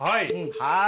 はい。